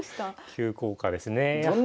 急降下ですね。